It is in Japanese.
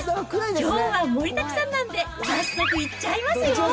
きょうは盛りだくさんなんで、早速いっちゃいますよ。